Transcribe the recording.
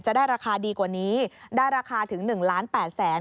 จะได้ราคาดีกว่านี้ได้ราคาถึง๑ล้าน๘แสน